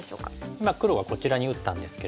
今黒がこちらに打ったんですけれども。